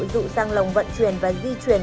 dụ sang lồng vận chuyển và di chuyển